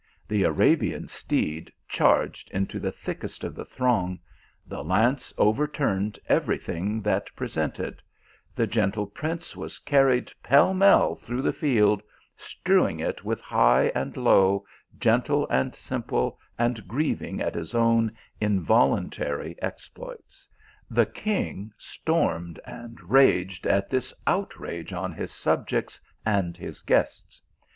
The Arabian steed charged into the thickest of the throng : the lance overturned every thing that presented ; the gentle prince was carried pell mell about the field, strewing it with high and low, gentle and simple, and grieving at his own involuntary exploits. The king stormed and raged at this outrage on his sub jects and his guests.